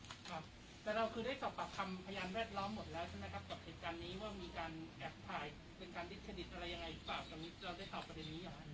แต่เราคือได้สอบปากคำพยานแวดล้อมหมดแล้วใช่ไหมครับกับเหตุการณ์นี้ว่ามีการแอบถ่ายเป็นการริขดิตอะไรยังไง